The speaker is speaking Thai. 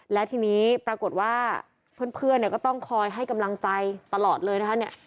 และทีนี้ปรากฏว่าเพื่อนเนี่ยก็ต้องคอยให้กำลังใจตลอดเลยนะคะเนี่ย